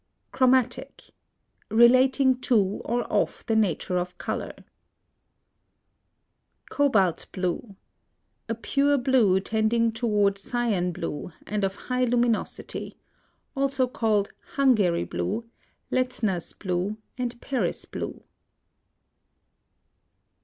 + CHROMATIC. Relating to or of the nature of color. COBALT BLUE. A pure blue tending toward cyan blue and of high luminosity; also called Hungary blue, Lethner's blue, and Paris blue.